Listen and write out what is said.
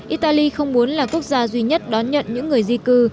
italy không muốn là quốc gia duy nhất đón nhận những người di cư